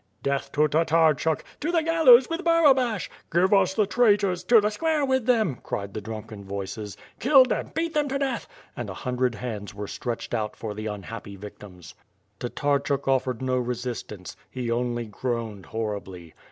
"Death to Tatarchuk!" "To the gallows with Barabash!" "Give us the traitors!" "To the square with them!" cried the drunken voices. "Kill them, beat them to death!" and a hundred hands were stretched out for the unhappy victims. Tatarchuk offered no resistance; he only groaned horribly.